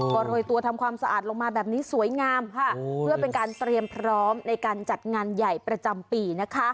ก็โรยตัวทำความสะอาดลงมาแบบนี้สวยงามค่ะเพื่อเป็นการเตรียมพร้อมในการจัดงานใหญ่ประจำปีนะคะ